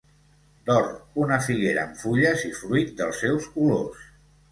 D'or, una figuera amb fulles i fruit dels seus colors.